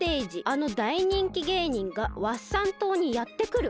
あの大人気芸人がワッサン島にやってくる！」。